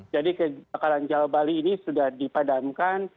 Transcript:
jadi kebakaran jawa bali ini sudah dipadamkan